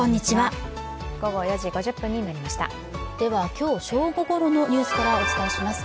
今日正午ごろのニュースからお伝えします。